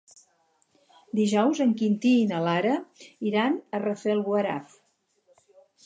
Dijous en Quintí i na Lara iran a Rafelguaraf.